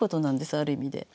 ある意味で。